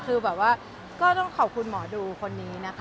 คือแบบว่าก็ต้องขอบคุณหมอดูคนนี้นะคะ